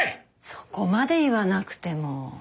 そこまで言わなくても。